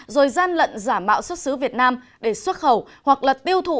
rồi gian lận giả mạo xuất xứ việt nam để xuất khẩu hoặc là tiêu thụ